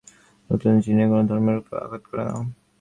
নতুবা চীনে কোন ধর্মের উপর আঘাত করে না।